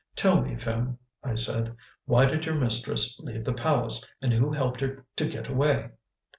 "Tell me, Phim," I said, "why did your mistress leave the palace, and who helped her to get away?"